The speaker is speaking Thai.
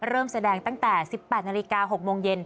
เริ่มแสดงตั้งแต่๑๘นาฬิกา๖โมงเย็น